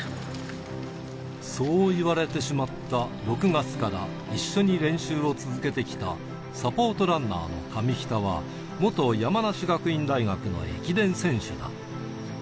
そう言われてしまった６月から一緒に練習を続けてきた、サポートランナーの上北は、元山梨学院大学の駅伝選手だ。